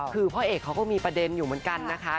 คือพ่อเอกเขาก็มีประเด็นอยู่เหมือนกันนะคะ